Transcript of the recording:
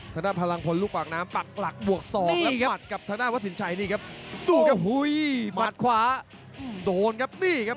ธนาภารังพลลูกหวังน้ำปักหลักบวกสอกและหมัดกับธนาภาษีสินชัยนี่ครับ